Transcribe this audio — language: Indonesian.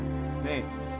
nih upah kanjeng romo